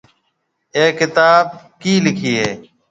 اَي ڪتاب ڪيَ لکِي هيَ۔